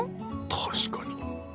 確かに。